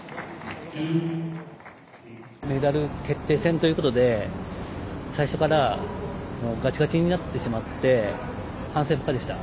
メダル決定戦ということで最初からがちがちなってしまって反省ばかりでした。